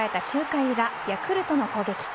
９回裏ヤクルトの攻撃。